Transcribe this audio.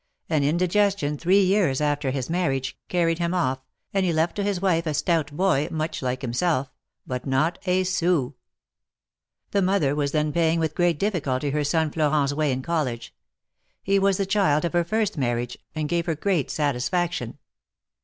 An indigestion three years after his marriage, carried him off, and he left to his wife a stout boy much like him self ; but not a sou. The mother was then paying with great difficulty her son Florent's way in college; he was the child of her first marriage, and gave her great satisfac tion.